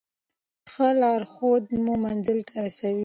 ښه لارښود مو منزل ته رسوي.